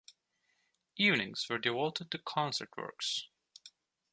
Evenings were devoted to concert works.